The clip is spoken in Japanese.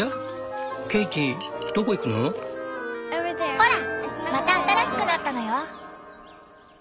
ほらまた新しくなったのよ！